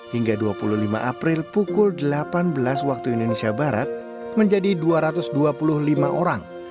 hingga dua puluh lima april pukul delapan belas waktu indonesia barat menjadi dua ratus dua puluh lima orang